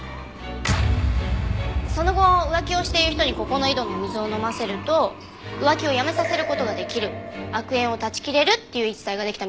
その後浮気をしている人にここの井戸の水を飲ませると浮気をやめさせる事が出来る悪縁を絶ち切れるっていう言い伝えが出来たみたいです。